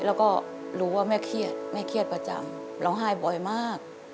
แล้วก็รู้ว่าแม่เครียดแม่เครียดประจำร้องไห้บ่อยมาก